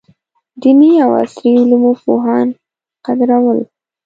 دیني او عصري علومو پوهان قدرول.